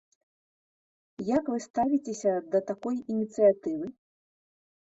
Як вы ставіцеся да такой ініцыятывы?